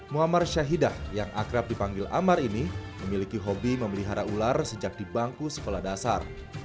muammar syahidah yang akrab dipanggil amar ini memiliki hobi memelihara ular sejak di bangku sekolah dasar